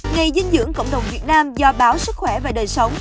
ngày dinh dưỡng cộng đồng việt nam do báo sức khỏe và đời sống